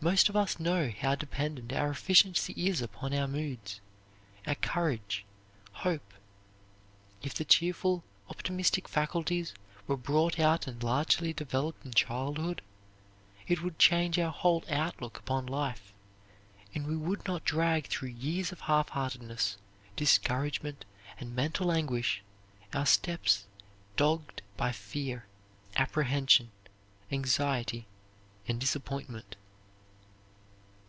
Most of us know how dependent our efficiency is upon our moods, our courage, hope. If the cheerful, optimistic faculties were brought out and largely developed in childhood, it would change our whole outlook upon life, and we would not drag through years of half heartedness, discouragement, and mental anguish, our steps dogged by fear, apprehension, anxiety, and disappointment.